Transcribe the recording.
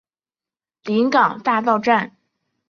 临港大道站